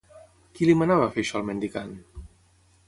Qui li manava fer això al mendicant?